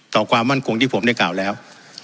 ความมั่นคงที่ผมได้กล่าวแล้ว